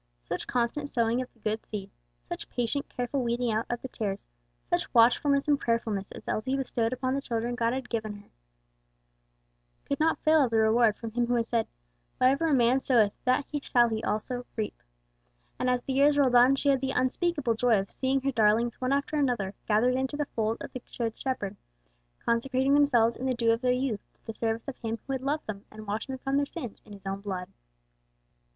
Such constant sowing of the good seed, such patient, careful weeding out of the tares, such watchfulness and prayerfulness as Elsie bestowed upon the children God had given her, could not fail of their reward from him who has said, "Whatsoever a man soweth, that shall he also reap"; and as the years rolled on she had the unspeakable joy of seeing her darlings one after another gathered into the fold of the Good Shepherd; consecrating themselves in the dew of their youth to the service of him who had loved them and washed them from their sins in his own blood.